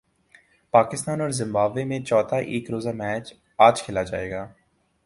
پاکستان اور زمبابوے میں چوتھا ایک روزہ میچ اج کھیلا جائے گا